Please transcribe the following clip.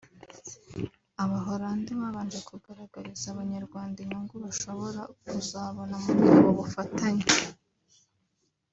Abaholande babanje kugaragariza Abanyarwanda inyungu bashobora kuzabona muri ubu bufatanye